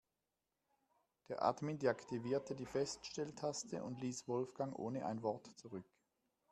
Der Admin deaktivierte die Feststelltaste und ließ Wolfgang ohne ein Wort zurück.